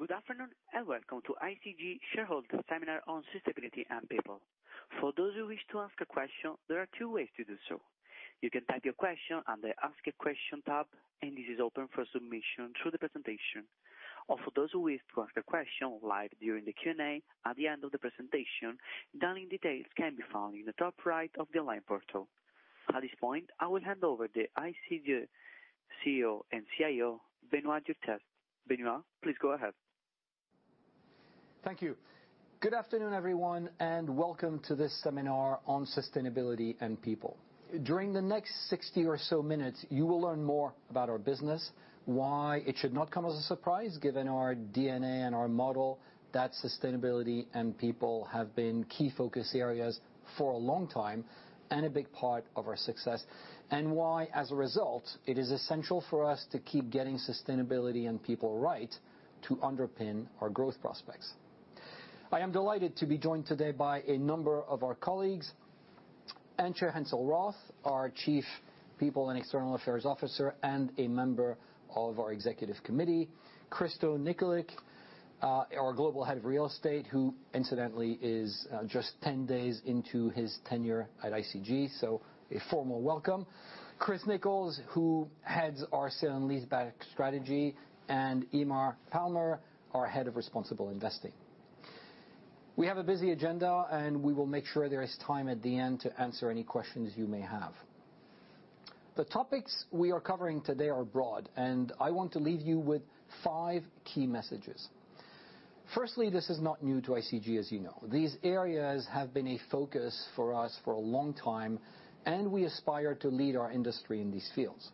Good afternoon and welcome to ICG shareholder seminar on sustainability and people. For those who wish to ask a question, there are two ways to do so. You can type your question under Ask a Question tab, and this is open for submission through the presentation. Or for those who wish to ask a question live during the Q&A at the end of the presentation, dialing details can be found in the top right of the online portal. At this point, I will hand over to the ICG CEO and CIO, Benoît Durteste. Benoît, please go ahead. Thank you. Good afternoon, everyone, and welcome to this seminar on sustainability and people. During the next 60 or so minutes, you will learn more about our business, why it should not come as a surprise given our DNA and our model, that sustainability and people have been key focus areas for a long time and a big part of our success, and why, as a result, it is essential for us to keep getting sustainability and people right to underpin our growth prospects. I am delighted to be joined today by a number of our colleagues, Antje Hensel-Roth, our Chief People and External Affairs Officer and a member of our executive committee, Krysto Nikolic, our Global Head of Real Estate, who incidentally is just 10 days into his tenure at ICG, so a formal welcome. Chris Nicholls, who heads our Sale and Leaseback strategy, and Eimear Palmer, our Head of Responsible Investing. We have a busy agenda, and we will make sure there is time at the end to answer any questions you may have. The topics we are covering today are broad, and I want to leave you with five key messages. Firstly, this is not new to ICG, as you know. These areas have been a focus for us for a long time, and we aspire to lead our industry in these fields.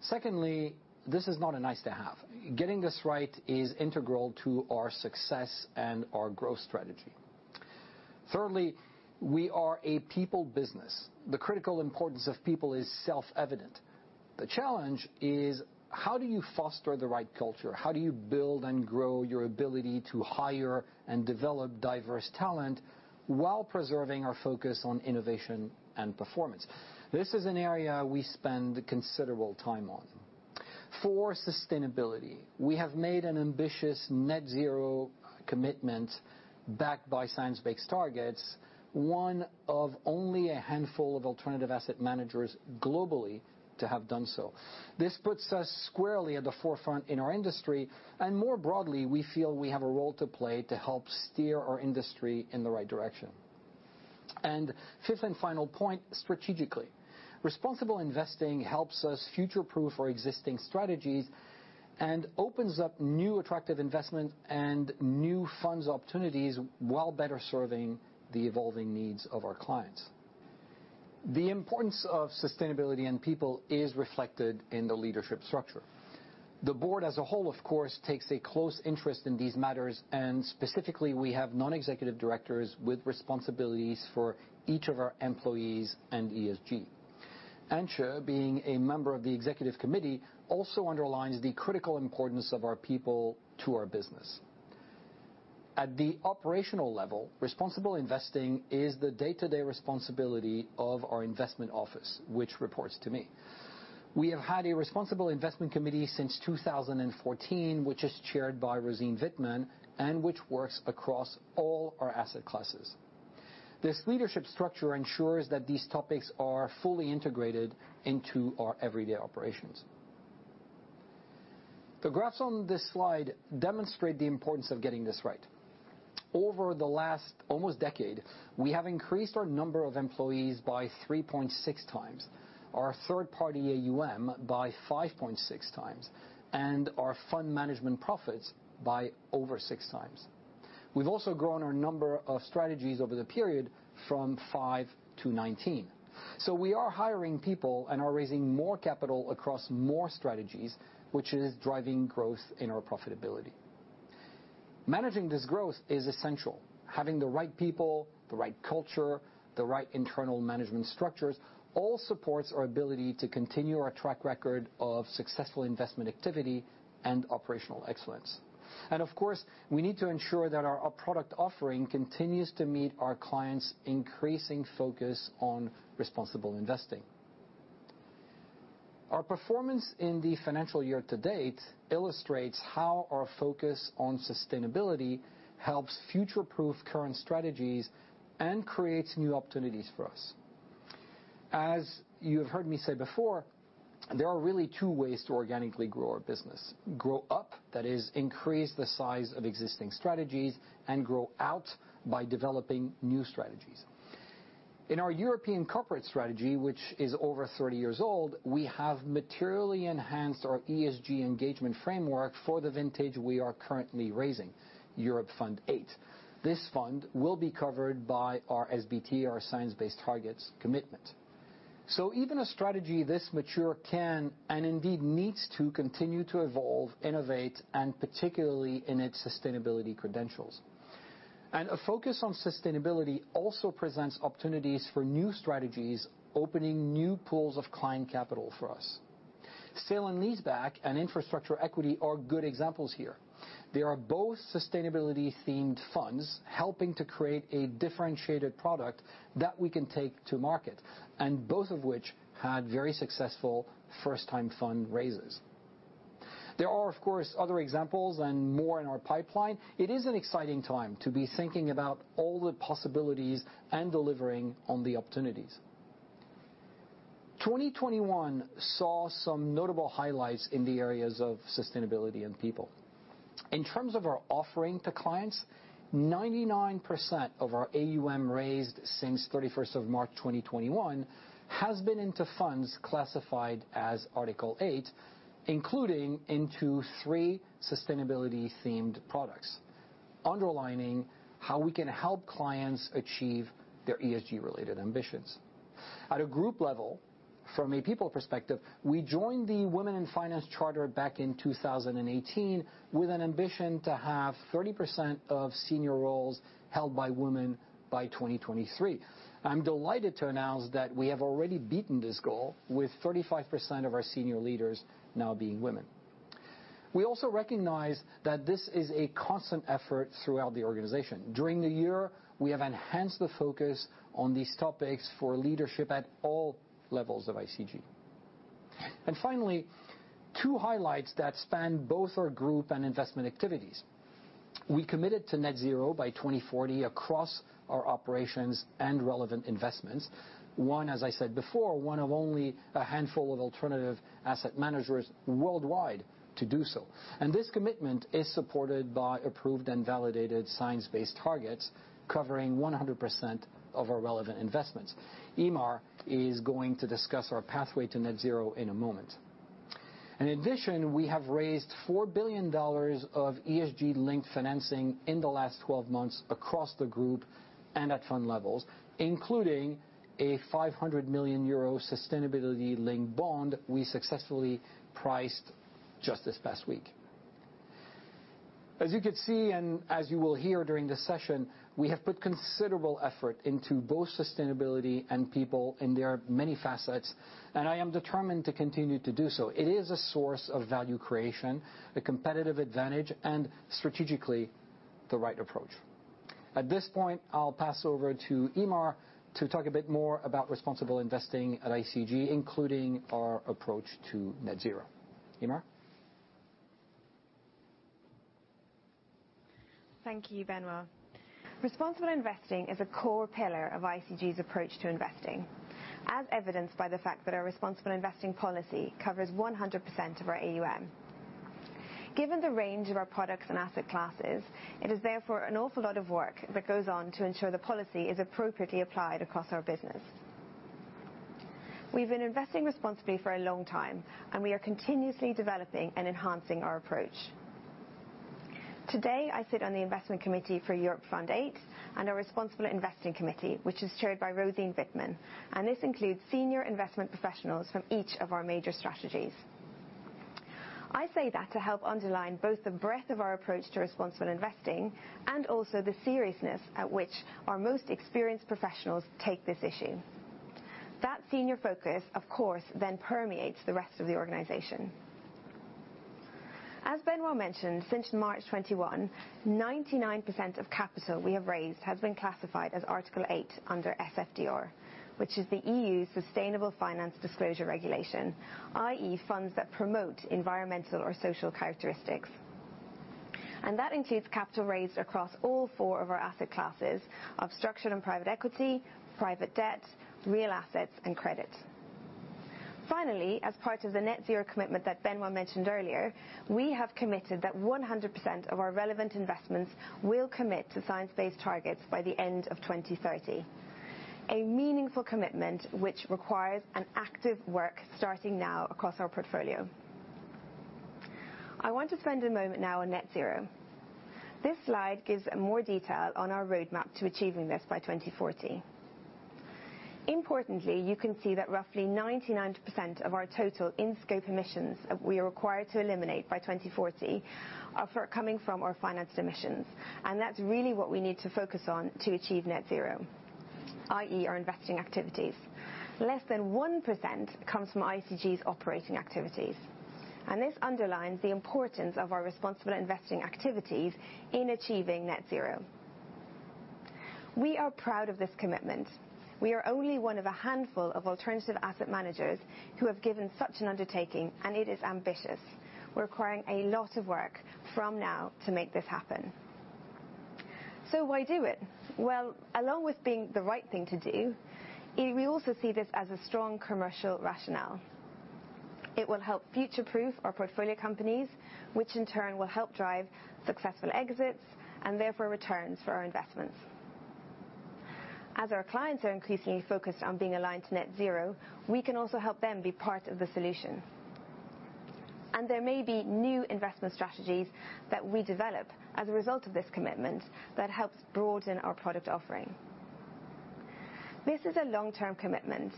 Secondly, this is not a nice-to-have. Getting this right is integral to our success and our growth strategy. Thirdly, we are a people business. The critical importance of people is self-evident. The challenge is how do you foster the right culture? How do you build and grow your ability to hire and develop diverse talent while preserving our focus on innovation and performance? This is an area we spend considerable time on. For sustainability, we have made an ambitious net zero commitment backed by Science-Based Targets, one of only a handful of alternative asset managers globally to have done so. This puts us squarely at the forefront in our industry, and more broadly, we feel we have a role to play to help steer our industry in the right direction. Fifth and final point, strategically. Responsible investing helps us future-proof our existing strategies and opens up new attractive investment and new funds opportunities while better serving the evolving needs of our clients. The importance of sustainability and people is reflected in the leadership structure. The board as a whole, of course, takes a close interest in these matters, and specifically, we have non-executive directors with responsibilities for each of our employees and ESG. Antje, being a member of the executive committee, also underlines the critical importance of our people to our business. At the operational level, responsible investing is the day-to-day responsibility of our investment office, which reports to me. We have had a responsible investment committee since 2014, which is chaired by Rosine Vitman, and which works across all our asset classes. This leadership structure ensures that these topics are fully integrated into our everyday operations. The graphs on this slide demonstrate the importance of getting this right. Over the last almost decade, we have increased our number of employees by 3.6x, our third-party AUM by 5.6x, and our fund management profits by over 6x. We've also grown our number of strategies over the period from five to 19. We are hiring people and are raising more capital across more strategies, which is driving growth in our profitability. Managing this growth is essential. Having the right people, the right culture, the right internal management structures all supports our ability to continue our track record of successful investment activity and operational excellence. Of course, we need to ensure that our product offering continues to meet our clients' increasing focus on responsible investing. Our performance in the financial year to date illustrates how our focus on sustainability helps future-proof current strategies and creates new opportunities for us. As you have heard me say before, there are really two ways to organically grow our business. Grow up, that is increase the size of existing strategies, and grow out by developing new strategies. In our European corporate strategy, which is over 30 years old, we have materially enhanced our ESG engagement framework for the vintage we are currently raising, European Fund VIII. This fund will be covered by our SBT, our Science-Based Targets commitment. Even a strategy this mature can and indeed needs to continue to evolve, innovate, and particularly in its sustainability credentials. A focus on sustainability also presents opportunities for new strategies, opening new pools of client capital for us. Sale and Leaseback and Infrastructure Equity are good examples here. They are both sustainability-themed funds helping to create a differentiated product that we can take to market, and both of which had very successful first time fund raises. There are, of course, other examples and more in our pipeline. It is an exciting time to be thinking about all the possibilities and delivering on the opportunities. 2021 saw some notable highlights in the areas of sustainability and people. In terms of our offering to clients, 99% of our AUM raised since March 31, 2021 has been into funds classified as Article 8, including into three sustainability themed products, underlining how we can help clients achieve their ESG related ambitions. At a group level, from a people perspective, we joined the Women in Finance Charter back in 2018 with an ambition to have 30% of senior roles held by women by 2023. I'm delighted to announce that we have already beaten this goal with 35% of our senior leaders now being women. We also recognize that this is a constant effort throughout the organization. During the year, we have enhanced the focus on these topics for leadership at all levels of ICG. Finally, two highlights that span both our group and investment activities. We committed to net zero by 2040 across our operations and relevant investments. One, as I said before, one of only a handful of alternative asset managers worldwide to do so. This commitment is supported by approved and validated Science-Based Targets covering 100% of our relevant investments. Eimear is going to discuss our pathway to net zero in a moment. In addition, we have raised $4 billion of ESG-linked financing in the last 12 months across the group and at fund levels, including a 500 million euro sustainability linked bond we successfully priced just this past week. As you could see, and as you will hear during this session, we have put considerable effort into both sustainability and people in their many facets, and I am determined to continue to do so. It is a source of value creation, a competitive advantage, and strategically the right approach. At this point, I'll pass over to Eimear to talk a bit more about responsible investing at ICG, including our approach to net zero. Eimear. Thank you, Benoît. Responsible investing is a core pillar of ICG's approach to investing, as evidenced by the fact that our responsible investing policy covers 100% of our AUM. Given the range of our products and asset classes, it is therefore an awful lot of work that goes on to ensure the policy is appropriately applied across our business. We've been investing responsibly for a long time, and we are continuously developing and enhancing our approach. Today, I sit on the investment committee for European Fund VIII and our responsible investing committee, which is chaired by Rosine Vitman, and this includes senior investment professionals from each of our major strategies. I say that to help underline both the breadth of our approach to responsible investing and also the seriousness at which our most experienced professionals take this issue. That senior focus, of course, then permeates the rest of the organization. As Benoît mentioned, since March 2021, 99% of capital we have raised has been classified as Article 8 under SFDR, which is the EU Sustainable Finance Disclosure Regulation, i.e., funds that promote environmental or social characteristics. That includes capital raised across all four of our asset classes of structured and private equity, private debt, real assets, and credit. Finally, as part of the net zero commitment that Benoît mentioned earlier, we have committed that 100% of our relevant investments will commit to Science-Based Targets by the end of 2030. A meaningful commitment which requires an active work starting now across our portfolio. I want to spend a moment now on net zero. This slide gives more detail on our roadmap to achieving this by 2040. Importantly, you can see that roughly 99% of our total in-scope emissions we are required to eliminate by 2040 are coming from our financed emissions, and that's really what we need to focus on to achieve net zero, i.e., our investing activities. Less than 1% comes from ICG's operating activities, and this underlines the importance of our responsible investing activities in achieving net zero. We are proud of this commitment. We are only one of a handful of alternative asset managers who have given such an undertaking, and it is ambitious. We're requiring a lot of work from now to make this happen. Why do it? Well, along with being the right thing to do, we also see this as a strong commercial rationale. It will help future-proof our portfolio companies, which in turn will help drive successful exits and therefore returns for our investments. As our clients are increasingly focused on being aligned to net zero, we can also help them be part of the solution. There may be new investment strategies that we develop as a result of this commitment that helps broaden our product offering. This is a long-term commitment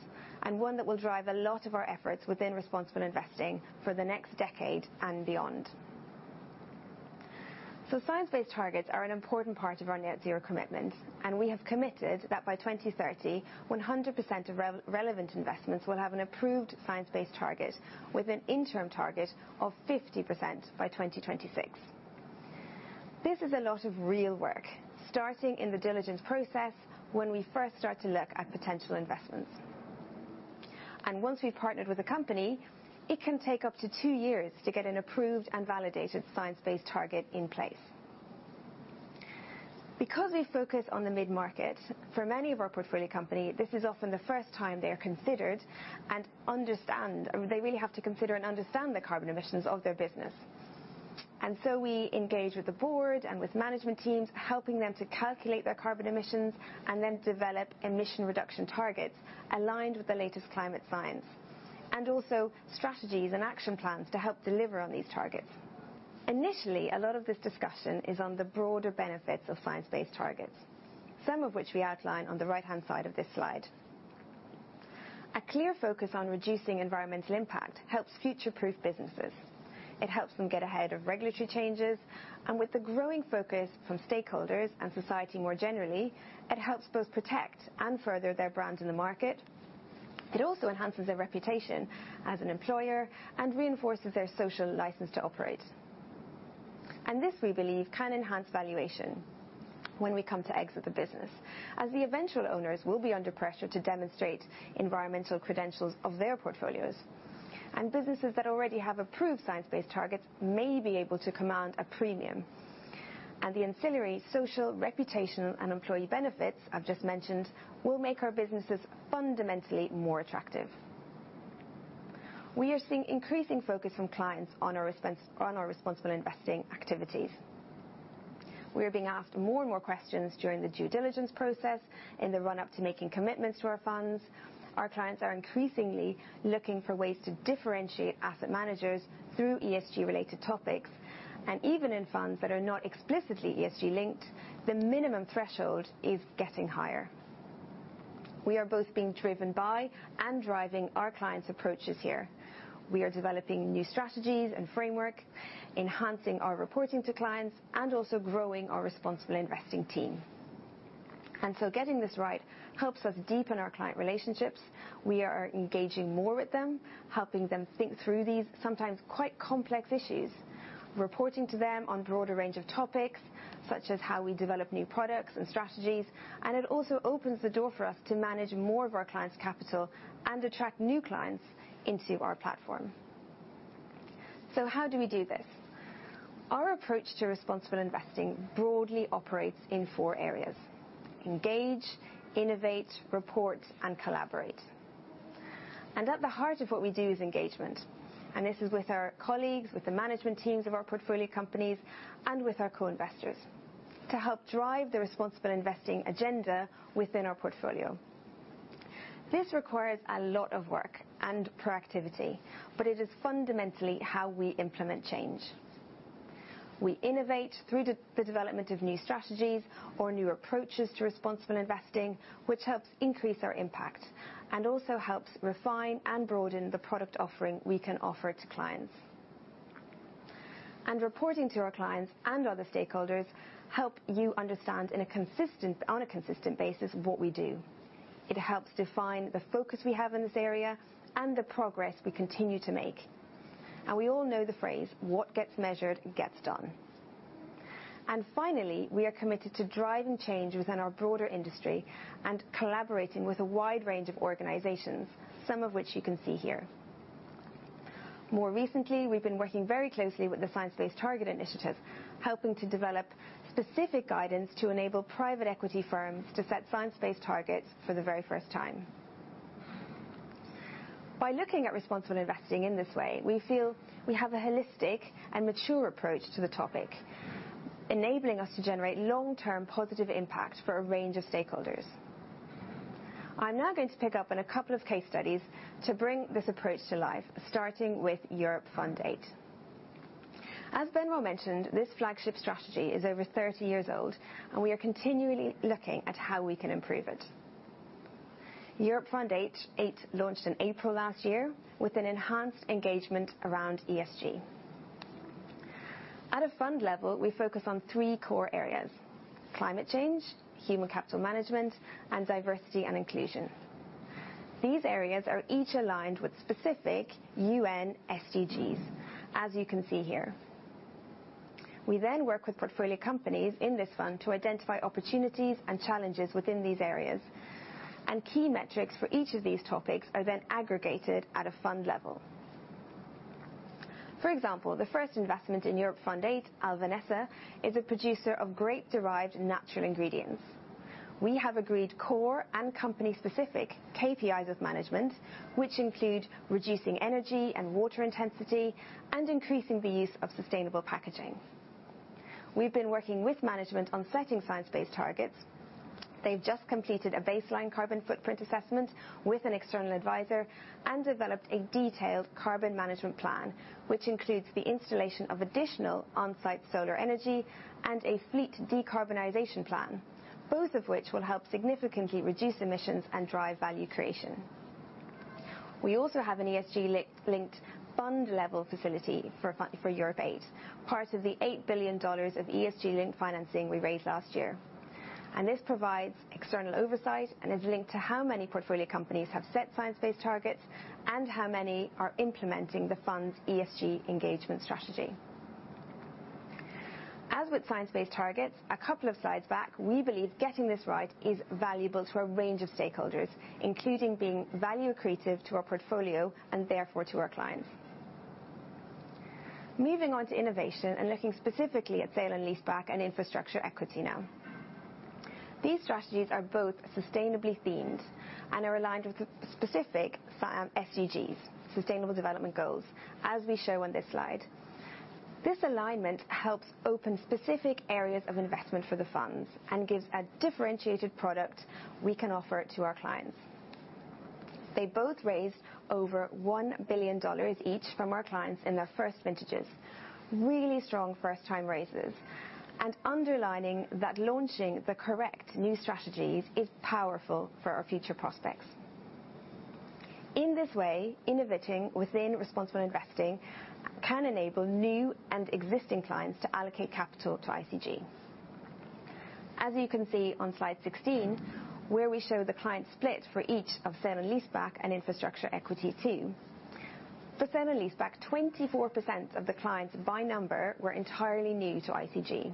and one that will drive a lot of our efforts within responsible investing for the next decade and beyond. Science-Based Targets are an important part of our net zero commitment, and we have committed that by 2030, 100% of relevant investments will have an approved Science-Based Target with an interim target of 50% by 2026. This is a lot of real work starting in the diligence process when we first start to look at potential investments. Once we've partnered with a company, it can take up to two years to get an approved and validated Science-Based Target in place. Because we focus on the mid-market, for many of our portfolio company, this is often the first time they are considered and understand, or they really have to consider and understand the carbon emissions of their business. We engage with the Board and with management teams, helping them to calculate their carbon emissions and then develop emission reduction targets aligned with the latest climate science, and also strategies and action plans to help deliver on these targets. Initially, a lot of this discussion is on the broader benefits of Science-Based Targets, some of which we outline on the right-hand side of this slide. A clear focus on reducing environmental impact helps future-proof businesses. It helps them get ahead of regulatory changes, and with the growing focus from stakeholders and society more generally, it helps both protect and further their brand in the market. It also enhances their reputation as an employer and reinforces their social license to operate. This, we believe, can enhance valuation when we come to exit the business, as the eventual owners will be under pressure to demonstrate environmental credentials of their portfolios. Businesses that already have approved Science-Based Targets may be able to command a premium. The ancillary social, reputational, and employee benefits I've just mentioned will make our businesses fundamentally more attractive. We are seeing increasing focus from clients on our Responsible Investing activities. We are being asked more and more questions during the due diligence process in the run-up to making commitments to our funds. Our clients are increasingly looking for ways to differentiate asset managers through ESG-related topics. Even in funds that are not explicitly ESG linked, the minimum threshold is getting higher. We are both being driven by and driving our clients' approaches here. We are developing new strategies and framework, enhancing our reporting to clients and also growing our responsible investing team. Getting this right helps us deepen our client relationships. We are engaging more with them, helping them think through these sometimes quite complex issues, reporting to them on broader range of topics, such as how we develop new products and strategies, and it also opens the door for us to manage more of our clients' capital and attract new clients into our platform. How do we do this? Our approach to responsible investing broadly operates in four areas, engage, innovate, report, and collaborate. At the heart of what we do is engagement. This is with our colleagues, with the management teams of our portfolio companies and with our co-investors to help drive the responsible investing agenda within our portfolio. This requires a lot of work and proactivity, but it is fundamentally how we implement change. We innovate through the development of new strategies or new approaches to responsible investing, which helps increase our impact and also helps refine and broaden the product offering we can offer to clients. Reporting to our clients and other stakeholders helps you understand on a consistent basis what we do. It helps define the focus we have in this area and the progress we continue to make. We all know the phrase what gets measured gets done. Finally, we are committed to driving change within our broader industry and collaborating with a wide range of organizations, some of which you can see here. More recently, we've been working very closely with the Science Based Targets initiative, helping to develop specific guidance to enable private equity firms to set Science-Based Targets for the very first time. By looking at responsible investing in this way, we feel we have a holistic and mature approach to the topic, enabling us to generate long-term positive impact for a range of stakeholders. I'm now going to pick up on a couple of case studies to bring this approach to life, starting with European Fund VIII. As Benoît mentioned, this flagship strategy is over 30 years old, and we are continually looking at how we can improve it. European Fund VIII, launched in April last year with an enhanced engagement around ESG. At a fund level, we focus on three core areas, climate change, human capital management, and diversity and inclusion. These areas are each aligned with specific UN SDGs, as you can see here. We then work with portfolio companies in this fund to identify opportunities and challenges within these areas. Key metrics for each of these topics are then aggregated at a fund level. For example, the first investment in European Fund VIII, Alvinesa, is a producer of grape-derived natural ingredients. We have agreed core and company specific KPIs with management, which include reducing energy and water intensity and increasing the use of sustainable packaging. We've been working with management on setting Science-Based Targets. They've just completed a baseline carbon footprint assessment with an external advisor and developed a detailed carbon management plan, which includes the installation of additional on-site solar energy and a fleet decarbonization plan, both of which will help significantly reduce emissions and drive value creation. We also have an ESG linked fund level facility for European Fund VIII, part of the $8 billion of ESG-linked financing we raised last year. This provides external oversight and is linked to how many portfolio companies have set Science-Based Targets and how many are implementing the fund's ESG engagement strategy. As with Science-Based Targets, a couple of slides back, we believe getting this right is valuable to a range of stakeholders, including being value accretive to our portfolio, and therefore to our clients. Moving on to innovation and looking specifically at Sale and Leaseback and Infrastructure Equity now. These strategies are both sustainably themed and are aligned with the specific UN SDGs, Sustainable Development Goals, as we show on this slide. This alignment helps open specific areas of investment for the funds and gives a differentiated product we can offer to our clients. They both raised over $1 billion each from our clients in their first vintages. Really strong first-time raises, and underlining that launching the correct new strategies is powerful for our future prospects. In this way, innovating within responsible investing can enable new and existing clients to allocate capital to ICG. As you can see on slide 16, where we show the client split for each of Sale and Leaseback and Infrastructure Equity too. For Sale and Leaseback, 24% of the clients by number were entirely new to ICG.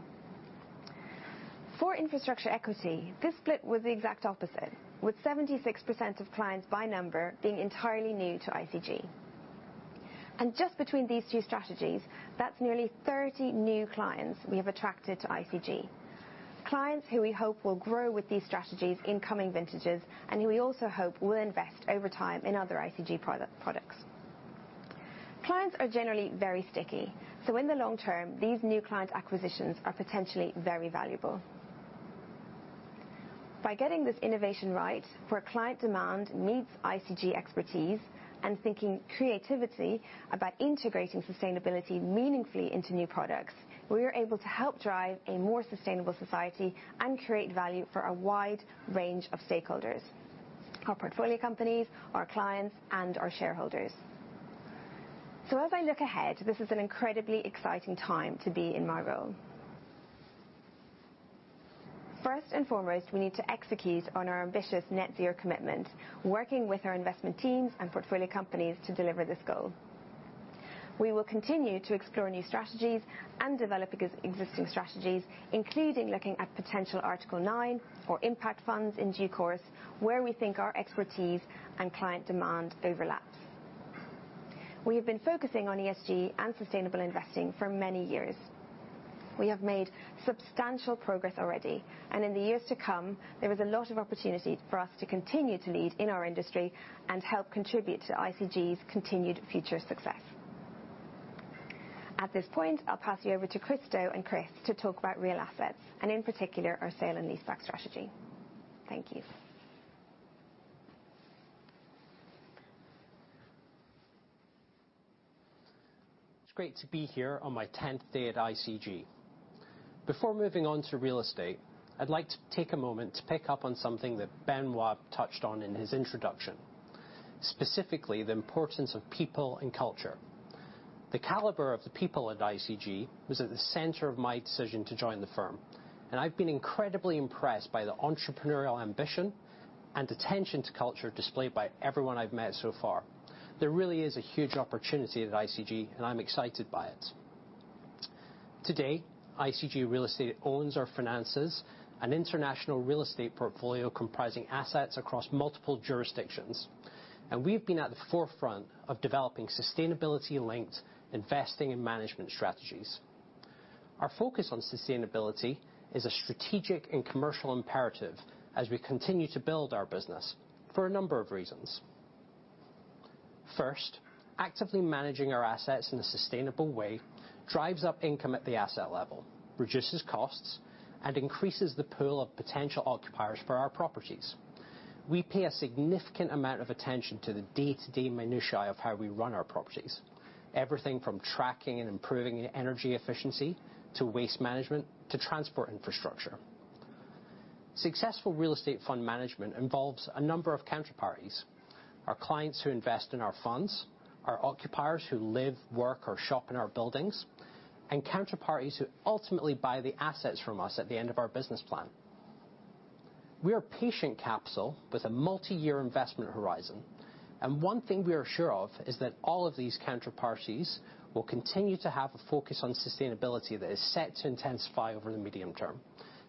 For Infrastructure Equity, this split was the exact opposite, with 76% of clients by number being entirely new to ICG. Just between these two strategies, that's nearly 30 new clients we have attracted to ICG. Clients who we hope will grow with these strategies in coming vintages, and who we also hope will invest over time in other ICG products. Clients are generally very sticky, so in the long term, these new client acquisitions are potentially very valuable. By getting this innovation right where client demand meets ICG expertise and thinking creatively about integrating sustainability meaningfully into new products, we are able to help drive a more sustainable society and create value for a wide range of stakeholders, our portfolio companies, our clients, and our shareholders. As I look ahead, this is an incredibly exciting time to be in my role. First and foremost, we need to execute on our ambitious net zero commitment, working with our investment teams and portfolio companies to deliver this goal. We will continue to explore new strategies and develop existing strategies, including looking at potential Article 9 for impact funds in due course, where we think our expertise and client demand overlaps. We have been focusing on ESG and sustainable investing for many years. We have made substantial progress already, and in the years to come, there is a lot of opportunity for us to continue to lead in our industry and help contribute to ICG's continued future success. At this point, I'll pass you over to Krysto and Chris to talk about real assets and in particular our Sale and Leaseback strategy. Thank you. It's great to be here on my 10th day at ICG. Before moving on to real estate, I'd like to take a moment to pick up on something that Benoît touched on in his introduction, specifically the importance of people and culture. The caliber of the people at ICG was at the center of my decision to join the firm, and I've been incredibly impressed by the entrepreneurial ambition and attention to culture displayed by everyone I've met so far. There really is a huge opportunity at ICG, and I'm excited by it. Today, ICG Real Estate owns or finances an international real estate portfolio comprising assets across multiple jurisdictions, and we've been at the forefront of developing sustainability-linked investing and management strategies. Our focus on sustainability is a strategic and commercial imperative as we continue to build our business for a number of reasons. First, actively managing our assets in a sustainable way drives up income at the asset level, reduces costs, and increases the pool of potential occupiers for our properties. We pay a significant amount of attention to the day-to-day minutiae of how we run our properties, everything from tracking and improving energy efficiency, to waste management, to transport infrastructure. Successful real estate fund management involves a number of counterparties, our clients who invest in our funds, our occupiers who live, work, or shop in our buildings, and counterparties who ultimately buy the assets from us at the end of our business plan. We are a patient capital with a multi-year investment horizon, and one thing we are sure of is that all of these counterparties will continue to have a focus on sustainability that is set to intensify over the medium term.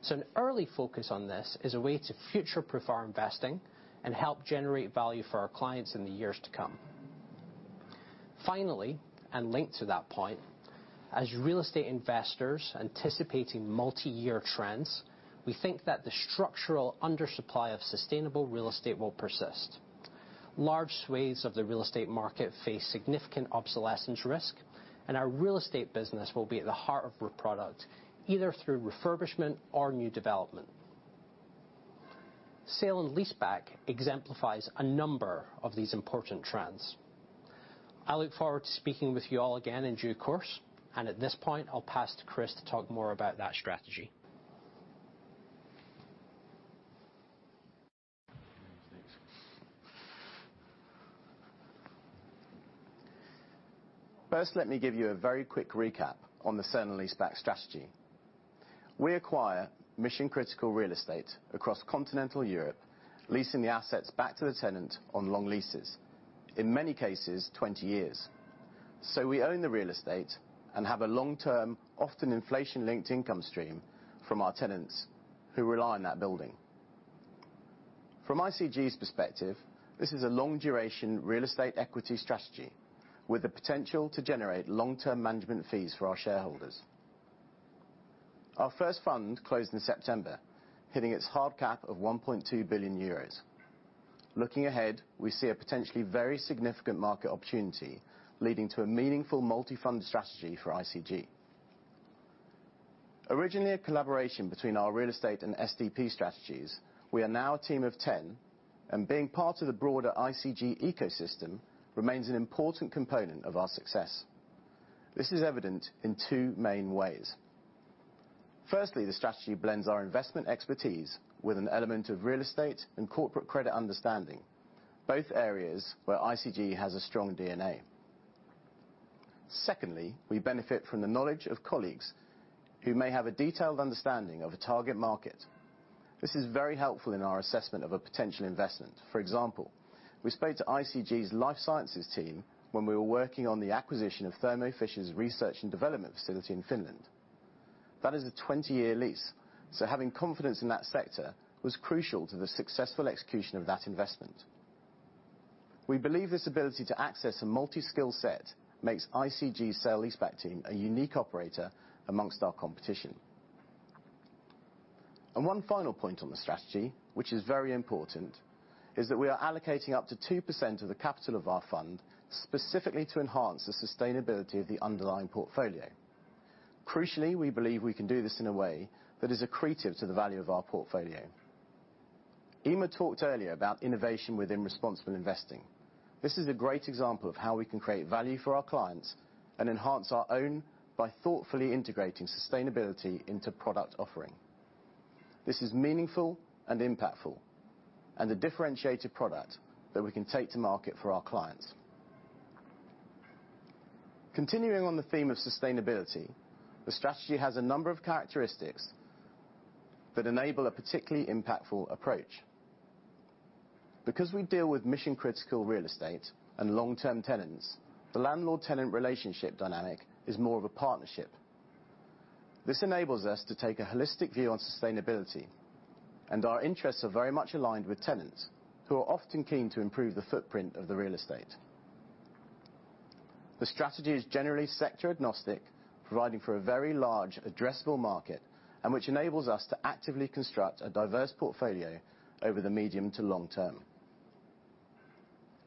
An early focus on this is a way to future-proof our investing and help generate value for our clients in the years to come. Finally, and linked to that point, as real estate investors anticipating multi-year trends, we think that the structural undersupply of sustainable real estate will persist. Large swathes of the real estate market face significant obsolescence risk, and our real estate business will be at the heart of the product, either through refurbishment or new development. Sale and Leaseback exemplifies a number of these important trends. I look forward to speaking with you all again in due course, and at this point I'll pass to Chris to talk more about that strategy. First, let me give you a very quick recap on the Sale and Leaseback strategy. We acquire mission-critical real estate across continental Europe, leasing the assets back to the tenant on long leases. In many cases, 20 years. We own the real estate and have a long-term, often inflation-linked income stream from our tenants who rely on that building. From ICG's perspective, this is a long-duration real estate equity strategy with the potential to generate long-term management fees for our shareholders. Our first fund closed in September, hitting its hard cap of 1.2 billion euros. Looking ahead, we see a potentially very significant market opportunity leading to a meaningful multi-fund strategy for ICG. Originally a collaboration between our real estate and SDP strategies, we are now a team of 10, and being part of the broader ICG ecosystem remains an important component of our success. This is evident in two main ways. First, the strategy blends our investment expertise with an element of real estate and corporate credit understanding, both areas where ICG has a strong DNA. Second, we benefit from the knowledge of colleagues who may have a detailed understanding of a target market. This is very helpful in our assessment of a potential investment. For example, we spoke to ICG's life sciences team when we were working on the acquisition of Thermo Fisher Scientific's research and development facility in Finland. That is a 20-year lease, so having confidence in that sector was crucial to the successful execution of that investment. We believe this ability to access a multi-skill set makes ICG's Sale and Leaseback team a unique operator among our competition. One final point on the strategy, which is very important, is that we are allocating up to 2% of the capital of our fund specifically to enhance the sustainability of the underlying portfolio. Crucially, we believe we can do this in a way that is accretive to the value of our portfolio. Eimear talked earlier about innovation within responsible investing. This is a great example of how we can create value for our clients and enhance our own by thoughtfully integrating sustainability into product offering. This is meaningful and impactful, and a differentiated product that we can take to market for our clients. Continuing on the theme of sustainability, the strategy has a number of characteristics that enable a particularly impactful approach. Because we deal with mission-critical real estate and long-term tenants, the landlord-tenant relationship dynamic is more of a partnership. This enables us to take a holistic view on sustainability, and our interests are very much aligned with tenants who are often keen to improve the footprint of the real estate. The strategy is generally sector-agnostic, providing for a very large addressable market and which enables us to actively construct a diverse portfolio over the medium to long term.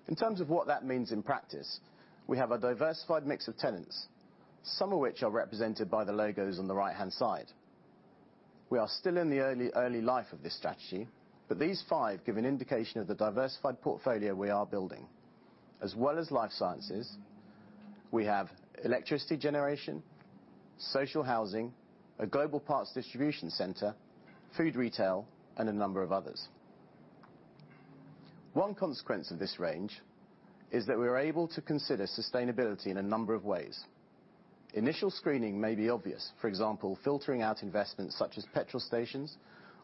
In terms of what that means in practice, we have a diversified mix of tenants, some of which are represented by the logos on the right-hand side. We are still in the early life of this strategy, but these five give an indication of the diversified portfolio we are building. As well as life sciences, we have electricity generation, social housing, a global parts distribution center, food retail, and a number of others. One consequence of this range is that we're able to consider sustainability in a number of ways. Initial screening may be obvious, for example, filtering out investments such as petrol stations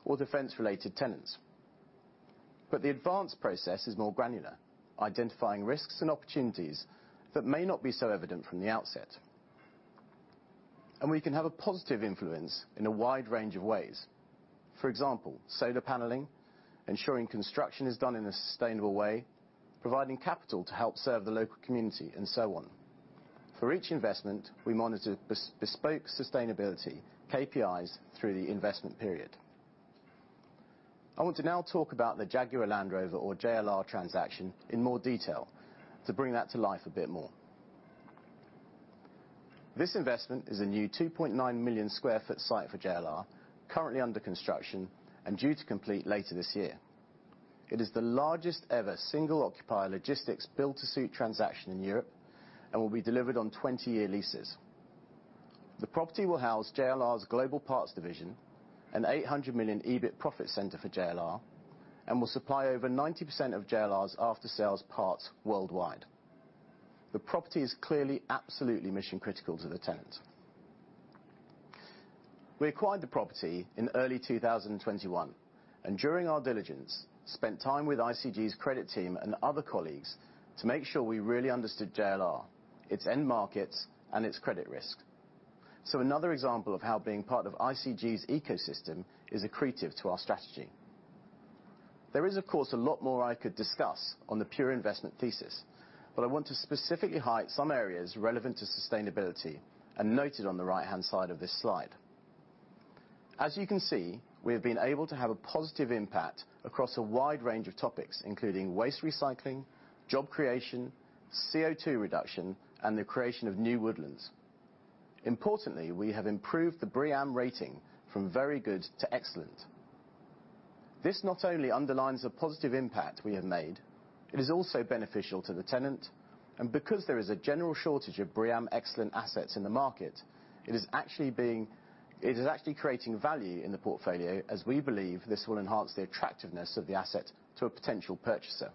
or defense-related tenants. The advance process is more granular, identifying risks and opportunities that may not be so evident from the outset. We can have a positive influence in a wide range of ways. For example, solar paneling, ensuring construction is done in a sustainable way, providing capital to help serve the local community, and so on. For each investment, we monitor bespoke sustainability KPIs through the investment period. I want to now talk about the Jaguar Land Rover or JLR transaction in more detail to bring that to life a bit more. This investment is a new 2.9 million sq ft site for JLR, currently under construction and due to complete later this year. It is the largest ever single occupier logistics built to suit transaction in Europe and will be delivered on 20-year leases. The property will house JLR's global parts division, a 800 million EBIT profit center for JLR, and will supply over 90% of JLR's after-sales parts worldwide. The property is clearly absolutely mission critical to the tenant. We acquired the property in early 2021, and during our diligence, spent time with ICG's credit team and other colleagues to make sure we really understood JLR, its end markets, and its credit risk. Another example of how being part of ICG's ecosystem is accretive to our strategy. There is, of course, a lot more I could discuss on the pure investment thesis, but I want to specifically highlight some areas relevant to sustainability and noted on the right-hand side of this slide. As you can see, we have been able to have a positive impact across a wide range of topics, including waste recycling, job creation, CO2 reduction, and the creation of new woodlands. Importantly, we have improved the BREEAM rating from very good to excellent. This not only underlines the positive impact we have made, it is also beneficial to the tenant, and because there is a general shortage of BREEAM excellent assets in the market, it is actually creating value in the portfolio, as we believe this will enhance the attractiveness of the asset to a potential purchaser.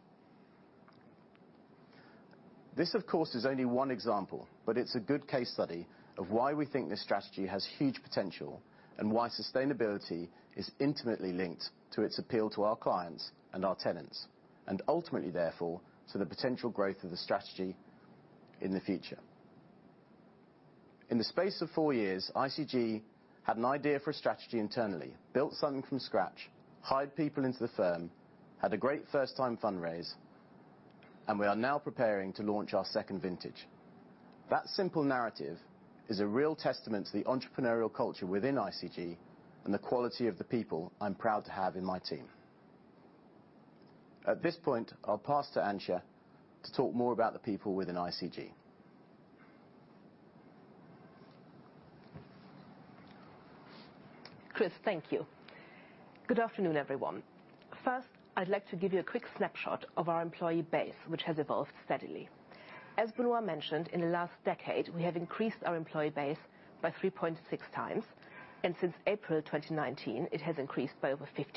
This, of course, is only one example, but it's a good case study of why we think this strategy has huge potential and why sustainability is intimately linked to its appeal to our clients and our tenants, and ultimately therefore, to the potential growth of the strategy in the future. In the space of four years, ICG had an idea for a strategy internally, built something from scratch, hired people into the firm, had a great first time fundraise, and we are now preparing to launch our second vintage. That simple narrative is a real testament to the entrepreneurial culture within ICG and the quality of the people I'm proud to have in my team. At this point, I'll pass to Antje to talk more about the people within ICG. Chris, thank you. Good afternoon, everyone. First, I'd like to give you a quick snapshot of our employee base, which has evolved steadily. As Benoît mentioned, in the last decade, we have increased our employee base by 3.6x, and since April 2019, it has increased by over 50%.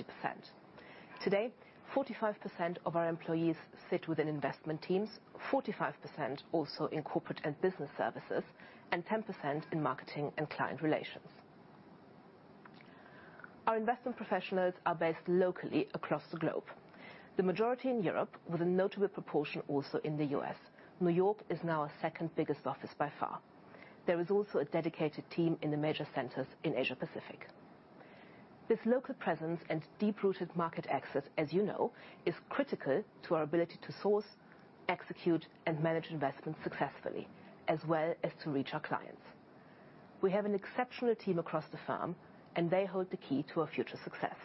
Today, 45% of our employees sit within investment teams, 45% also in corporate and business services, and 10% in marketing and client relations. Our investment professionals are based locally across the globe. The majority in Europe with a notable proportion also in the U.S. New York is now our second-biggest office by far. There is also a dedicated team in the major centers in Asia-Pacific. This local presence and deep-rooted market access, as you know, is critical to our ability to source, execute, and manage investments successfully, as well as to reach our clients. We have an exceptional team across the firm, and they hold the key to our future success.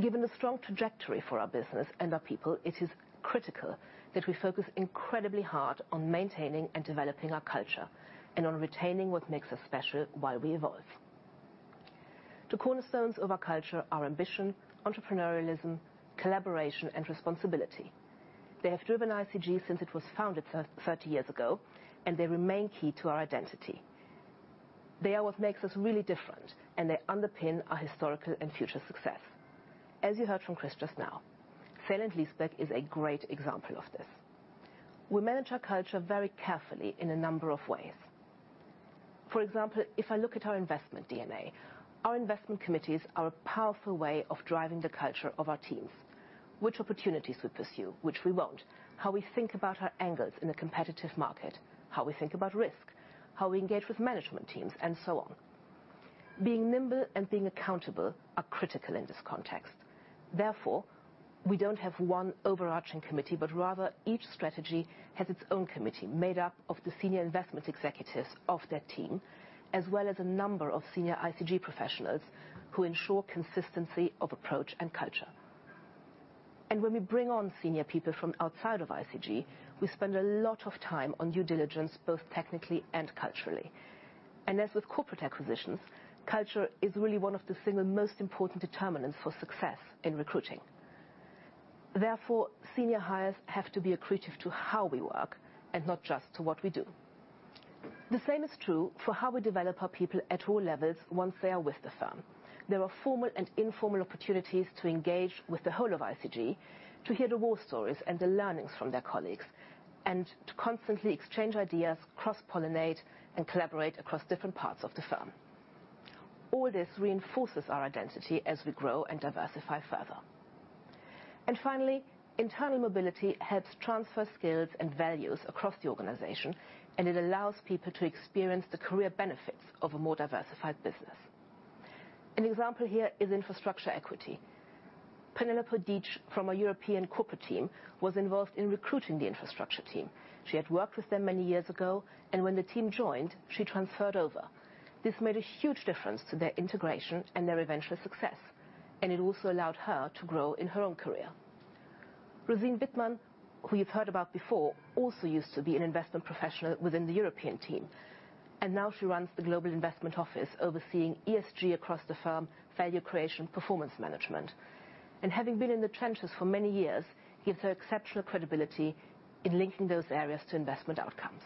Given the strong trajectory for our business and our people, it is critical that we focus incredibly hard on maintaining and developing our culture and on retaining what makes us special while we evolve. The cornerstones of our culture are ambition, entrepreneurialism, collaboration, and responsibility. They have driven ICG since it was founded 30 years ago, and they remain key to our identity. They are what makes us really different, and they underpin our historical and future success. As you heard from Chris just now, Sale and Leaseback is a great example of this. We manage our culture very carefully in a number of ways. For example, if I look at our investment DNA, our investment committees are a powerful way of driving the culture of our teams. Which opportunities we pursue, which we won't, how we think about our angles in a competitive market, how we think about risk, how we engage with management teams, and so on. Being nimble and being accountable are critical in this context. Therefore, we don't have one overarching committee, but rather each strategy has its own committee made up of the senior investment executives of that team, as well as a number of senior ICG professionals who ensure consistency of approach and culture. When we bring on senior people from outside of ICG, we spend a lot of time on due diligence, both technically and culturally. As with corporate acquisitions, culture is really one of the single most important determinants for success in recruiting. Therefore, senior hires have to be accretive to how we work and not just to what we do. The same is true for how we develop our people at all levels once they are with the firm. There are formal and informal opportunities to engage with the whole of ICG, to hear the war stories and the learnings from their colleagues, and to constantly exchange ideas, cross-pollinate, and collaborate across different parts of the firm. All this reinforces our identity as we grow and diversify further. Finally, internal mobility helps transfer skills and values across the organization, and it allows people to experience the career benefits of a more diversified business. An example here is Infrastructure Equity. Penelope Dietsch from our European corporate team was involved in recruiting the infrastructure team. She had worked with them many years ago, and when the team joined, she transferred over. This made a huge difference to their integration and their eventual success, and it also allowed her to grow in her own career. Rosine Vitman, who you've heard about before, also used to be an investment professional within the European team, and now she runs the global investment office overseeing ESG across the firm, value creation, performance management. Having been in the trenches for many years gives her exceptional credibility in linking those areas to investment outcomes.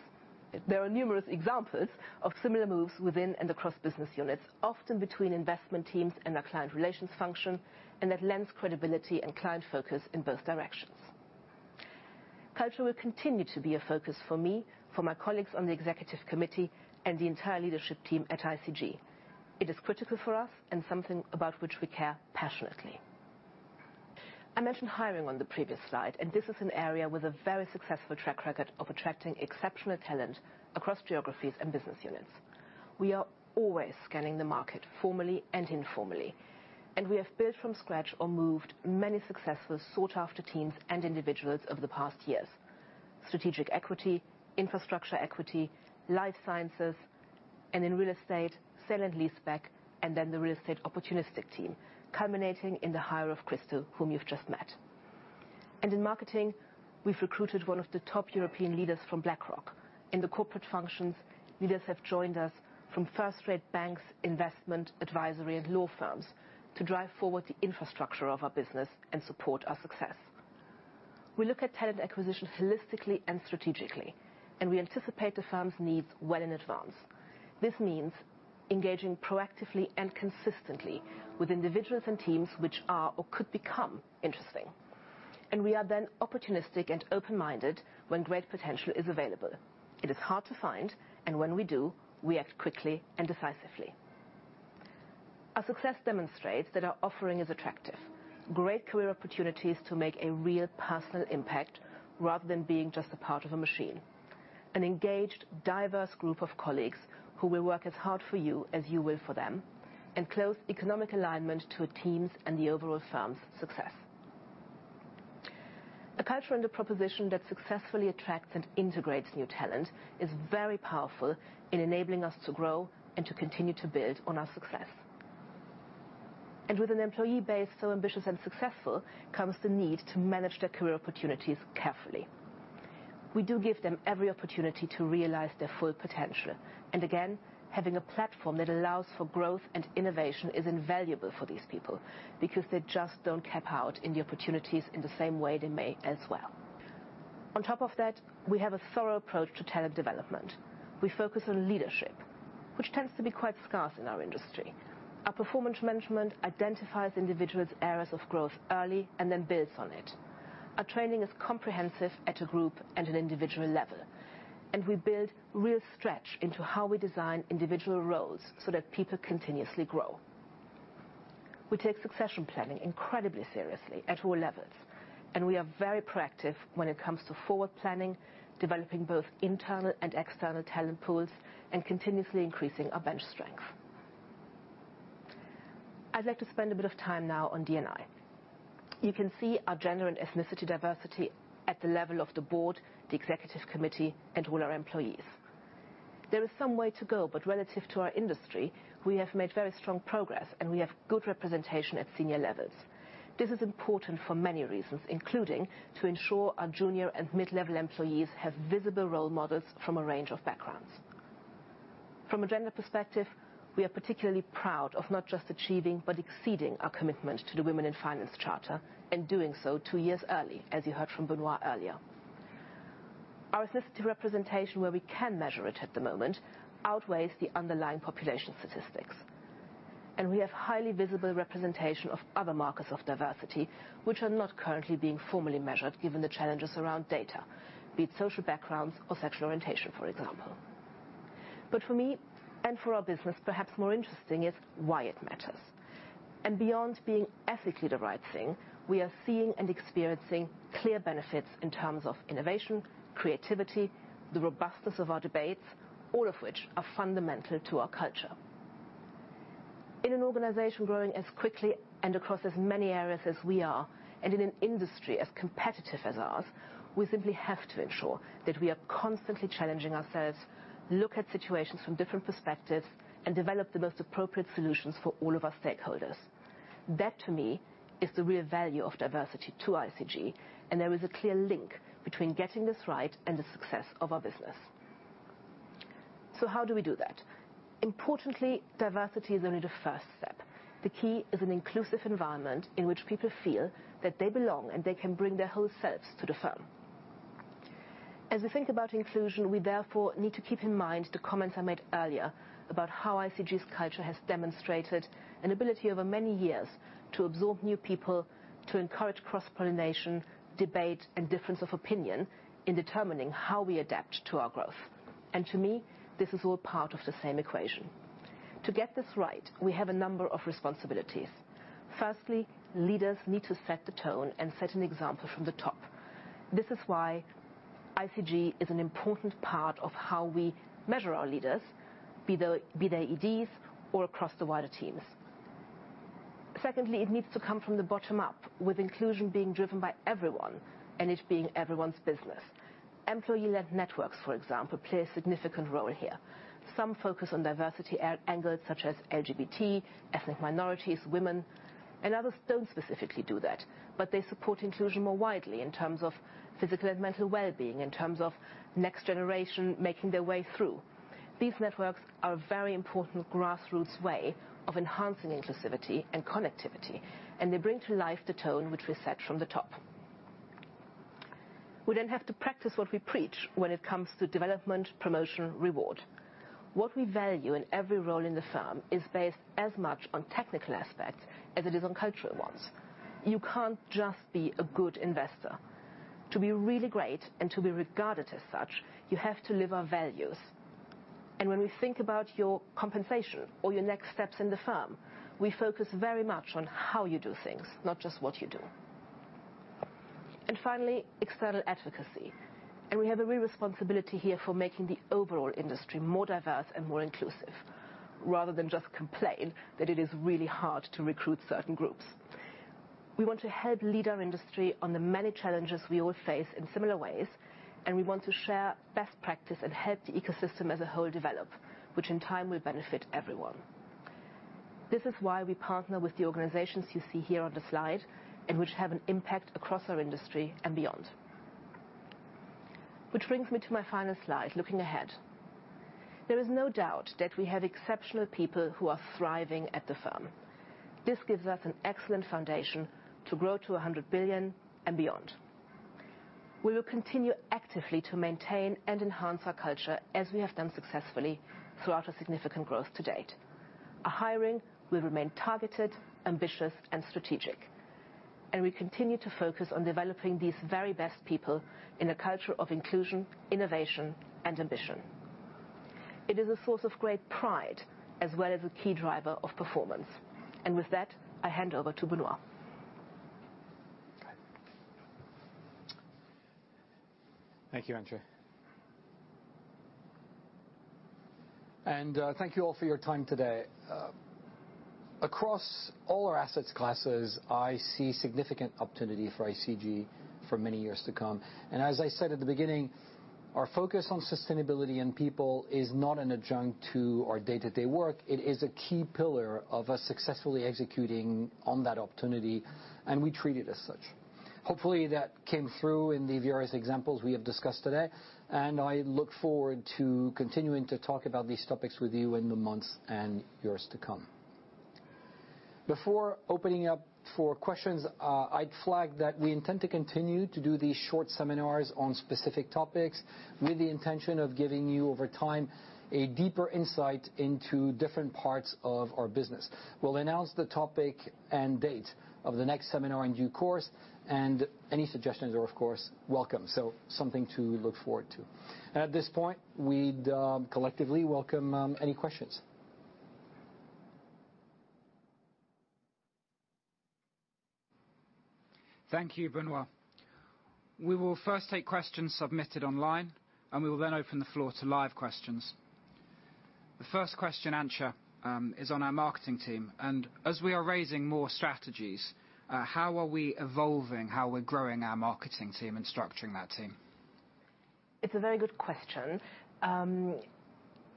There are numerous examples of similar moves within and across business units, often between investment teams and our client relations function, and that lends credibility and client focus in both directions. Culture will continue to be a focus for me, for my colleagues on the executive committee, and the entire leadership team at ICG. It is critical for us and something about which we care passionately. I mentioned hiring on the previous slide, and this is an area with a very successful track record of attracting exceptional talent across geographies and business units. We are always scanning the market formally and informally, and we have built from scratch or moved many successful sought-after teams and individuals over the past years. Strategic Equity, Infrastructure Equity, Life Sciences, and in Real Estate, Sale and Leaseback, and then the Real Estate opportunistic team, culminating in the hire of Krysto, whom you've just met. In marketing, we've recruited one of the top European leaders from BlackRock. In the corporate functions, leaders have joined us from first rate banks, investment advisory, and law firms to drive forward the infrastructure of our business and support our success. We look at talent acquisition holistically and strategically, and we anticipate the firm's needs well in advance. This means engaging proactively and consistently with individuals and teams which are or could become interesting. We are then opportunistic and open-minded when great potential is available. It is hard to find, and when we do, we act quickly and decisively. Our success demonstrates that our offering is attractive, great career opportunities to make a real personal impact rather than being just a part of a machine, an engaged, diverse group of colleagues who will work as hard for you as you will for them, and close economic alignment to a team's and the overall firm's success. A culture and a proposition that successfully attracts and integrates new talent is very powerful in enabling us to grow and to continue to build on our success. With an employee base so ambitious and successful, comes the need to manage their career opportunities carefully. We do give them every opportunity to realize their full potential. Again, having a platform that allows for growth and innovation is invaluable for these people because they just don't cap out in the opportunities in the same way they may elsewhere. On top of that, we have a thorough approach to talent development. We focus on leadership, which tends to be quite scarce in our industry. Our performance management identifies individuals' areas of growth early and then builds on it. Our training is comprehensive at a group and an individual level, and we build real stretch into how we design individual roles so that people continuously grow. We take succession planning incredibly seriously at all levels, and we are very proactive when it comes to forward planning, developing both internal and external talent pools, and continuously increasing our bench strength. I'd like to spend a bit of time now on D&I. You can see our gender and ethnicity diversity at the level of the board, the executive committee, and all our employees. There is some way to go, but relative to our industry, we have made very strong progress, and we have good representation at senior levels. This is important for many reasons, including to ensure our junior and mid-level employees have visible role models from a range of backgrounds. From a gender perspective, we are particularly proud of not just achieving, but exceeding our commitment to the Women in Finance Charter, and doing so two years early, as you heard from Benoît earlier. Our ethnicity representation, where we can measure it at the moment, outweighs the underlying population statistics. We have highly visible representation of other markers of diversity, which are not currently being formally measured given the challenges around data, be it social backgrounds or sexual orientation, for example. For me and for our business, perhaps more interesting is why it matters. Beyond being ethically the right thing, we are seeing and experiencing clear benefits in terms of innovation, creativity, the robustness of our debates, all of which are fundamental to our culture. In an organization growing as quickly and across as many areas as we are, and in an industry as competitive as ours, we simply have to ensure that we are constantly challenging ourselves, look at situations from different perspectives, and develop the most appropriate solutions for all of our stakeholders. That, to me, is the real value of diversity to ICG, and there is a clear link between getting this right and the success of our business. How do we do that? Importantly, diversity is only the first step. The key is an inclusive environment in which people feel that they belong, and they can bring their whole selves to the firm. As we think about inclusion, we therefore need to keep in mind the comments I made earlier about how ICG's culture has demonstrated an ability over many years to absorb new people, to encourage cross-pollination, debate, and difference of opinion in determining how we adapt to our growth. To me, this is all part of the same equation. To get this right, we have a number of responsibilities. Firstly, leaders need to set the tone and set an example from the top. This is why ICG is an important part of how we measure our leaders, be they EDs or across the wider teams. Secondly, it needs to come from the bottom up, with inclusion being driven by everyone and it being everyone's business. Employee-led networks, for example, play a significant role here. Some focus on diversity angles such as LGBT, ethnic minorities, women, and others don't specifically do that, but they support inclusion more widely in terms of physical and mental well-being, in terms of next generation making their way through. These networks are a very important grassroots way of enhancing inclusivity and connectivity, and they bring to life the tone which we set from the top. We then have to practice what we preach when it comes to development, promotion, reward. What we value in every role in the firm is based as much on technical aspects as it is on cultural ones. You can't just be a good investor. To be really great and to be regarded as such, you have to live our values. When we think about your compensation or your next steps in the firm, we focus very much on how you do things, not just what you do. Finally, external advocacy. We have a real responsibility here for making the overall industry more diverse and more inclusive, rather than just complain that it is really hard to recruit certain groups. We want to help lead our industry on the many challenges we all face in similar ways, and we want to share best practice and help the ecosystem as a whole develop, which in time will benefit everyone. This is why we partner with the organizations you see here on the slide and which have an impact across our industry and beyond. Which brings me to my final slide, looking ahead. There is no doubt that we have exceptional people who are thriving at the firm. This gives us an excellent foundation to grow to 100 billion and beyond. We will continue actively to maintain and enhance our culture as we have done successfully throughout a significant growth to date. Our hiring will remain targeted, ambitious and strategic, and we continue to focus on developing these very best people in a culture of inclusion, innovation and ambition. It is a source of great pride as well as a key driver of performance. With that, I hand over to Benoît. Thank you, Antje. Thank you all for your time today. Across all our asset classes, I see significant opportunity for ICG for many years to come. As I said at the beginning, our focus on sustainability and people is not an adjunct to our day-to-day work. It is a key pillar of our successfully executing on that opportunity, and we treat it as such. Hopefully that came through in the various examples we have discussed today, and I look forward to continuing to talk about these topics with you in the months and years to come. Before opening up for questions, I'd flag that we intend to continue to do these short seminars on specific topics with the intention of giving you, over time, a deeper insight into different parts of our business. We'll announce the topic and date of the next seminar in due course, and any suggestions are, of course, welcome. Something to look forward to. At this point, we'd collectively welcome any questions. Thank you, Benoît. We will first take questions submitted online, and we will then open the floor to live questions. The first question, Antje, is on our marketing team, and as we are raising more strategies, how are we evolving how we're growing our marketing team and structuring that team? It's a very good question.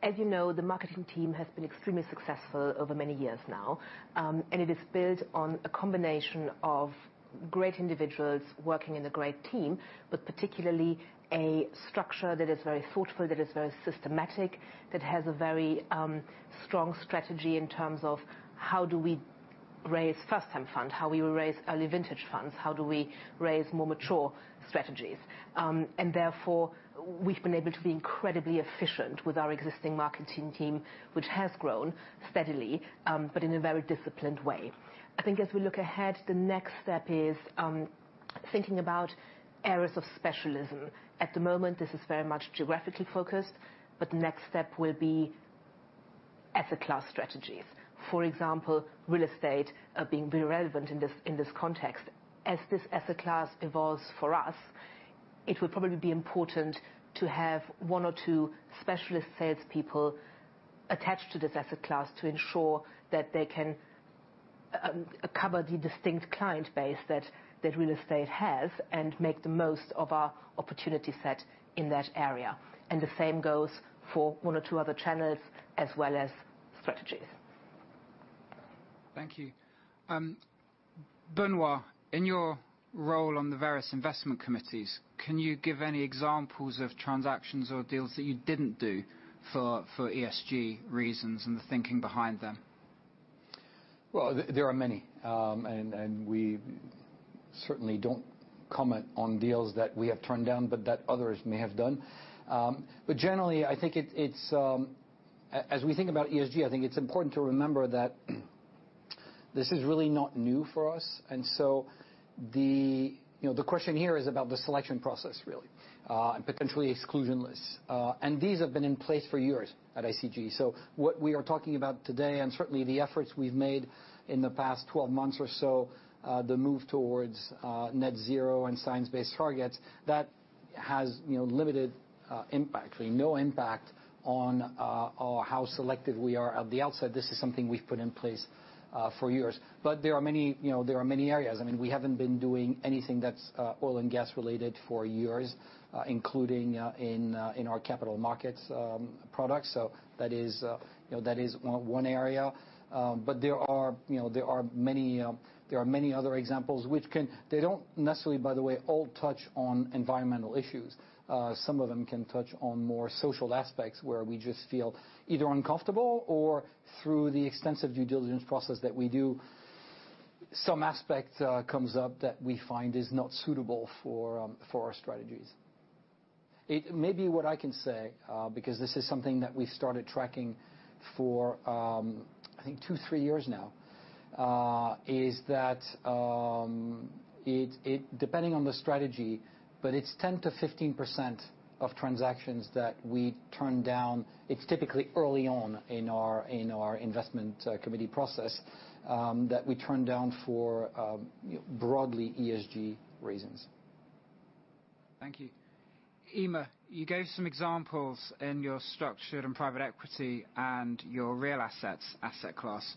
As you know, the marketing team has been extremely successful over many years now, and it is built on a combination of great individuals working in a great team, but particularly a structure that is very thoughtful, that is very systematic, that has a very strong strategy in terms of how do we raise first time fund, how we raise early vintage funds, how do we raise more mature strategies. Therefore we've been able to be incredibly efficient with our existing marketing team, which has grown steadily, but in a very disciplined way. I think as we look ahead, the next step is thinking about areas of specialism. At the moment, this is very much geographically focused, but the next step will be asset class strategies. For example, real estate being very relevant in this context. As this asset class evolves for us, it will probably be important to have one or two specialist salespeople attached to this asset class to ensure that they can cover the distinct client base that real estate has and make the most of our opportunity set in that area. The same goes for one or two other channels as well as strategies. Thank you. Benoît, in your role on the various investment committees, can you give any examples of transactions or deals that you didn't do for ESG reasons and the thinking behind them? Well, there are many, and we certainly don't comment on deals that we have turned down, but that others may have done. But generally I think it's... As we think about ESG, I think it's important to remember that this is really not new for us. The question here is about the selection process really, and potentially exclusion lists. These have been in place for years at ICG. What we are talking about today, and certainly the efforts we've made in the past 12 months or so, the move towards net zero and Science-Based Targets, that has, you know, limited impact or no impact on how selective we are at the outset. This is something we've put in place for years. There are many areas, you know. I mean, we haven't been doing anything that's oil and gas related for years, including in our capital markets products. So that is one area, you know. There are many other examples. They don't necessarily, by the way, all touch on environmental issues. Some of them can touch on more social aspects where we just feel either uncomfortable or through the extensive due diligence process that we do, some aspect comes up that we find is not suitable for our strategies. Maybe what I can say, because this is something that we started tracking for, I think two, three years now, is that, it, depending on the strategy, but it's 10%-15% of transactions that we turn down. It's typically early on in our investment committee process, that we turn down for, you know, broadly ESG reasons. Thank you. Eimear, you gave some examples in your strategic and private equity and your real assets asset class.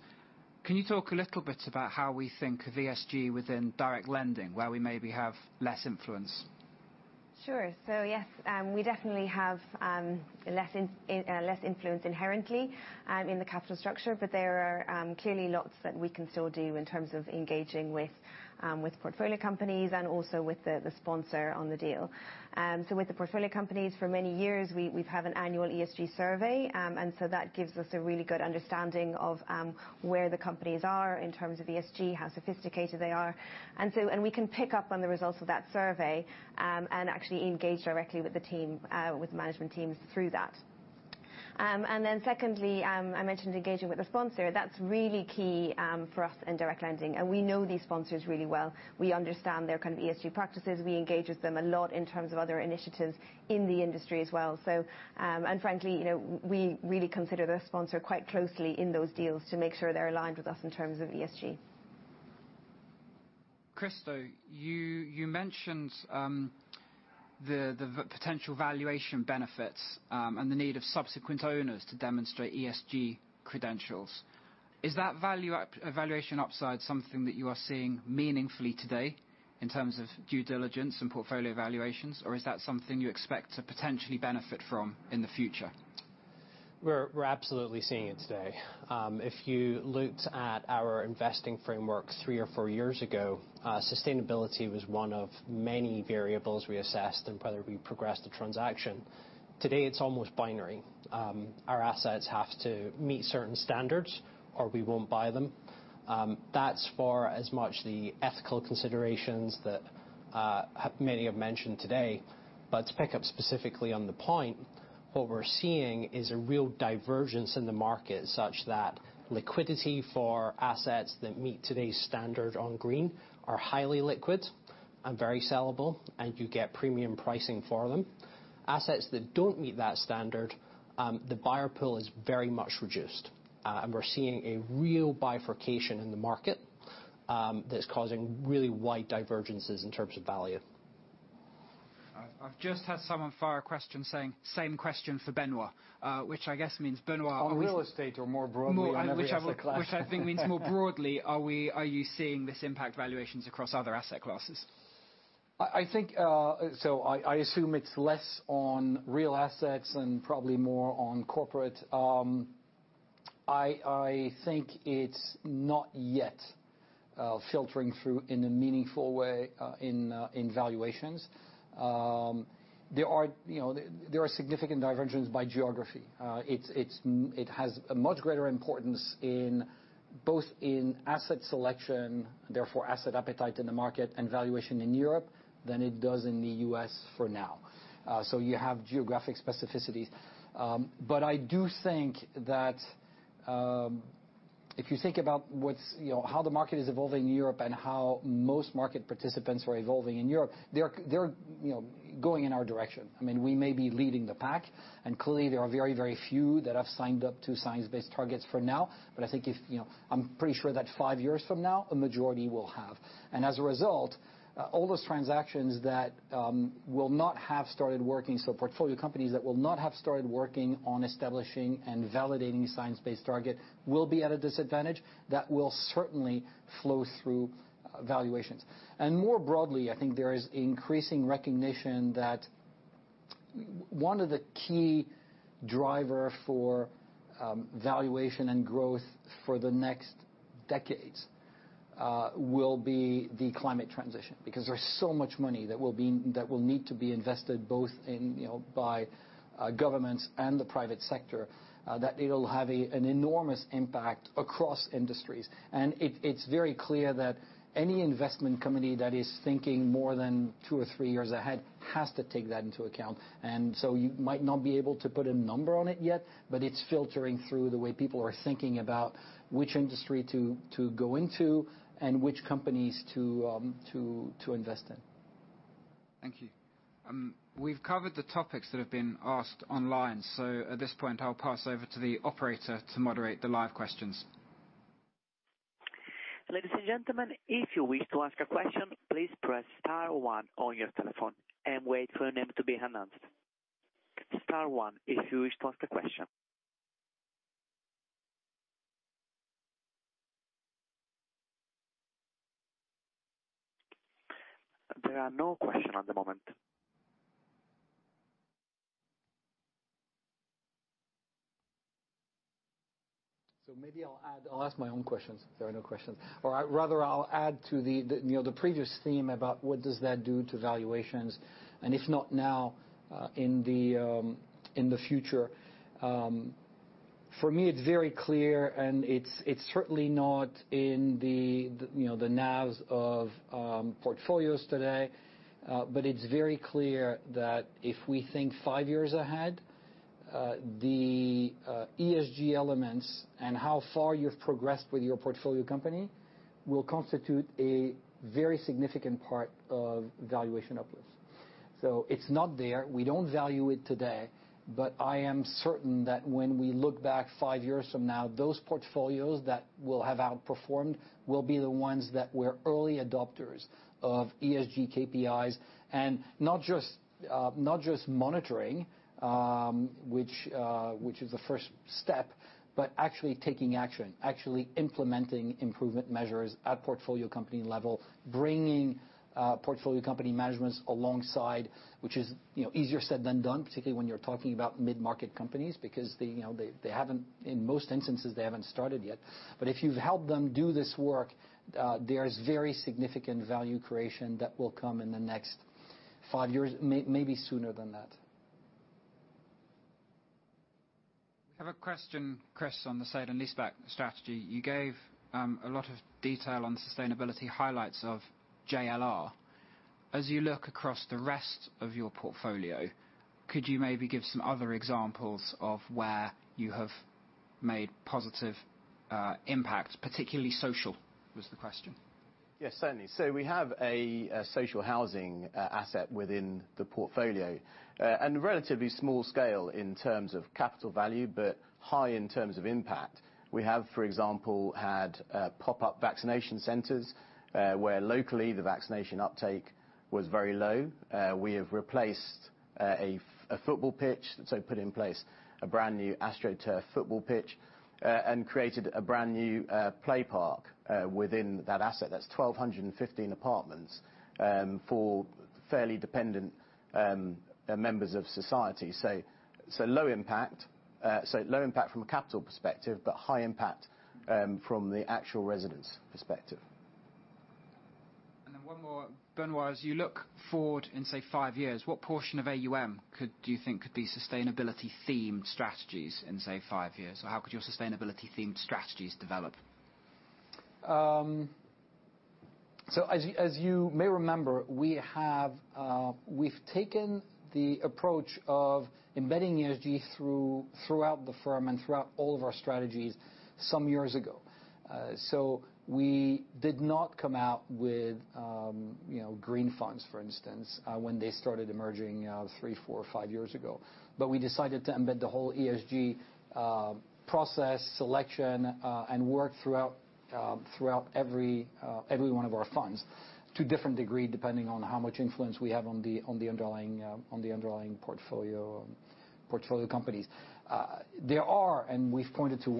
Can you talk a little bit about how we think of ESG within direct lending where we maybe have less influence? Sure. Yes, we definitely have less influence inherently in the capital structure, but there are clearly lots that we can still do in terms of engaging with portfolio companies and also with the sponsor on the deal. With the portfolio companies, for many years, we have an annual ESG survey. That gives us a really good understanding of where the companies are in terms of ESG, how sophisticated they are. We can pick up on the results of that survey and actually engage directly with the team with management teams through that. Secondly, I mentioned engaging with the sponsor. That's really key for us in direct lending, and we know these sponsors really well. We understand their kind of ESG practices. We engage with them a lot in terms of other initiatives in the industry as well. Frankly, you know, we really consider the sponsor quite closely in those deals to make sure they're aligned with us in terms of ESG. Krysto, you mentioned the potential valuation benefits and the need of subsequent owners to demonstrate ESG credentials. Is that valuation upside something that you are seeing meaningfully today in terms of due diligence and portfolio valuations? Or is that something you expect to potentially benefit from in the future? We're absolutely seeing it today. If you looked at our investing framework three or four years ago, sustainability was one of many variables we assessed on whether we progressed a transaction. Today, it's almost binary. Our assets have to meet certain standards, or we won't buy them. That's as much for the ethical considerations that many have mentioned today. To pick up specifically on the point, what we're seeing is a real divergence in the market such that liquidity for assets that meet today's standard on green are highly liquid and very sellable, and you get premium pricing for them. Assets that don't meet that standard, the buyer pool is very much reduced. We're seeing a real bifurcation in the market that's causing really wide divergences in terms of value. I've just had someone fire a question saying, "Same question for Benoît," which I guess means Benoît- On real estate or more broadly on every asset class. Which I think means more broadly, are you seeing this impact valuations across other asset classes? I think I assume it's less on real assets and probably more on corporate. I think it's not yet filtering through in a meaningful way in valuations. There are, you know, significant divergence by geography. It has a much greater importance in both asset selection, therefore asset appetite in the market and valuation in Europe than it does in the U.S. for now. You have geographic specificities. I do think that if you think about what's, you know, how the market is evolving in Europe and how most market participants are evolving in Europe, they're, you know, going in our direction. I mean, we may be leading the pack, and clearly, there are very, very few that have signed up to Science-Based Targets for now. I think if, you know, I'm pretty sure that five years from now, a majority will have. As a result, all those transactions that will not have started working, so portfolio companies that will not have started working on establishing and validating Science-Based Targets will be at a disadvantage. That will certainly flow through valuations. More broadly, I think there is increasing recognition that one of the key driver for valuation and growth for the next decades will be the climate transition because there's so much money that will need to be invested, both in, you know, by governments and the private sector, that it'll have a, an enormous impact across industries. It's very clear that any investment company that is thinking more than two or three years ahead has to take that into account. You might not be able to put a number on it yet, but it's filtering through the way people are thinking about which industry to go into and which companies to invest in. Thank you. We've covered the topics that have been asked online. At this point, I'll pass over to the operator to moderate the live questions. Ladies and gentlemen, if you wish to ask a question, please press star one on your telephone and wait for your name to be announced. Star one if you wish to ask a question. There are no question at the moment. Maybe I'll add. I'll ask my own questions if there are no questions. I'll add to the you know the previous theme about what does that do to valuations, and if not now, in the future. For me, it's very clear, and it's certainly not in the you know the NAVs of portfolios today. But it's very clear that if we think five years ahead, the ESG elements and how far you've progressed with your portfolio company will constitute a very significant part of valuation uplift. It's not there. We don't value it today, but I am certain that when we look back five years from now, those portfolios that will have outperformed will be the ones that were early adopters of ESG KPIs. Not just monitoring, which is the first step, but actually taking action. Actually implementing improvement measures at portfolio company level, bringing portfolio company managements alongside, which is, you know, easier said than done, particularly when you're talking about mid-market companies because they, you know, they haven't started yet in most instances. But if you've helped them do this work, there is very significant value creation that will come in the next five years, maybe sooner than that. I have a question, Chris, on the Sale and Leaseback strategy. You gave a lot of detail on sustainability highlights of JLR. As you look across the rest of your portfolio, could you maybe give some other examples of where you have made positive impact, particularly social, was the question. Yes, certainly. We have a social housing asset within the portfolio. Relatively small scale in terms of capital value, but high in terms of impact. We have, for example, had pop-up vaccination centers where locally the vaccination uptake was very low. We have replaced a football pitch, so put in place a brand new AstroTurf football pitch. And created a brand new play park within that asset. That's 1,215 apartments for fairly dependent members of society. Low impact from a capital perspective, but high impact from the actual residents' perspective. One more. Benoît, as you look forward in, say, five years, what portion of AUM do you think could be sustainability themed strategies in, say, five years? Or how could your sustainability themed strategies develop? As you may remember, we've taken the approach of embedding ESG throughout the firm and throughout all of our strategies some years ago. We did not come out with, you know, green funds, for instance, when they started emerging, three, four, five years ago. We decided to embed the whole ESG process, selection, and work throughout every one of our funds to different degree, depending on how much influence we have on the underlying portfolio companies. We've pointed to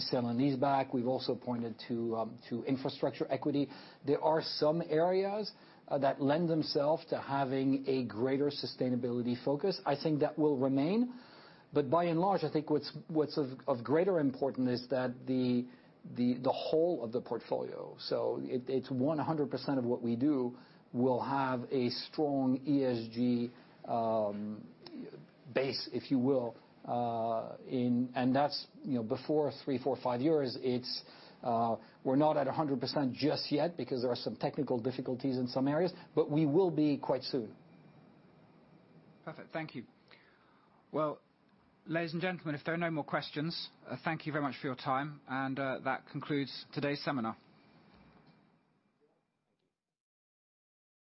Sale and Leaseback. We've also pointed to Infrastructure Equity. There are some areas that lend themselves to having a greater sustainability focus. I think that will remain. I think what's of greater importance is that the whole of the portfolio, it's 100% of what we do, will have a strong ESG base, if you will. That's, you know, before three, four, five years, we're not at 100% just yet because there are some technical difficulties in some areas, but we will be quite soon. Perfect. Thank you. Well, ladies and gentlemen, if there are no more questions, thank you very much for your time. That concludes today's seminar.